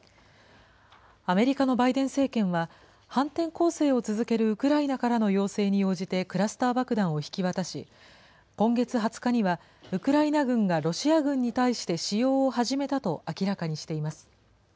アメリカのバイデン政権は、反転攻勢を続けるウクライナからの要請に応じてクラスター爆弾を引き渡し、今月２０日には、ウクライナ軍がロシア軍に対して使用を始めたと明らかにしています。